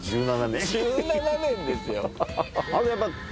１７年ですよ！